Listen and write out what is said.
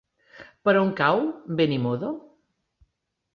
Per on cau Benimodo?